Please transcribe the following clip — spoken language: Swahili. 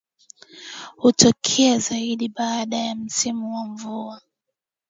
Hutokea zaidi baada ya msimu wa mvua